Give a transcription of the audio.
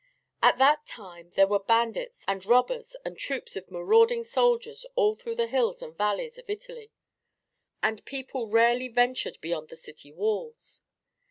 At that time there were bandits and robbers and troops of marauding soldiers all through the hills and valleys of Italy, and people rarely ventured beyond the city walls.